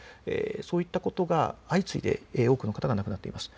そういうことが相次いで多くの方が亡くなっています。